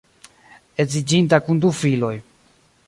Edziĝinta kun du filoj.